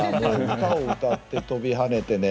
歌を歌って飛び跳ねてね。